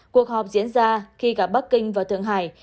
cuộc họp diễn ra khi cả bắc kinh và thượng hải